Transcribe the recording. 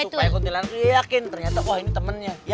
supaya kuntilanak yakin ternyata wah ini temennya